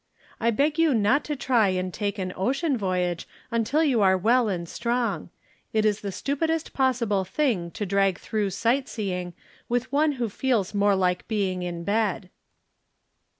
I beg you not to try and take an ocean voyage imtil you are well and strong ; it is the stupidest possible thing to drag through sight seeing with one who feels more like being in bed.